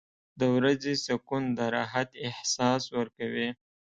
• د ورځې سکون د راحت احساس ورکوي.